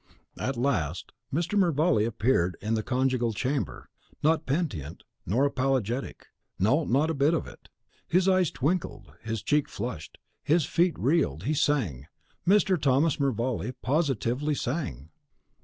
At last Mr. Mervale appeared in the conjugal chamber, not penitent, nor apologetic, no, not a bit of it. His eyes twinkled, his cheek flushed, his feet reeled; he sang, Mr. Thomas Mervale positively sang!